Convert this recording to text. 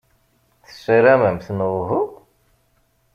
Tessaramemt, neɣ uhu?